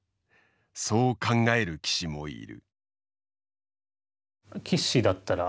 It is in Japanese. そう考える棋士もいる。